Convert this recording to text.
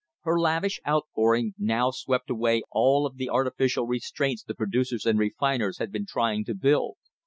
Her lavish outpouring now swept away all of the artificial restraints the producers and refiners had been trying to build.